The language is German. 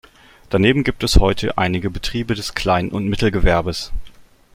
Daneben gibt es heute einige Betriebe des Klein- und Mittelgewerbes.